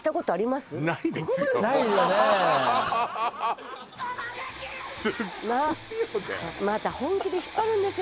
すごいよねまた本気で引っ張るんですよ